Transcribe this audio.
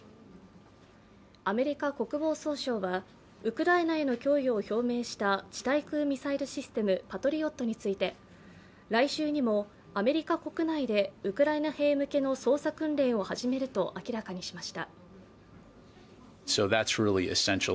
アメリカ国防総省はウクライナへの脅威を表明した地対空ミサイルシステムパトリオットについて来週にもアメリカ国内でウクライナ兵向けの操作訓練を始めると明らかにしました。